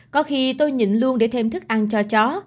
có khi tôi nhìn luôn để thêm thức ăn cho chó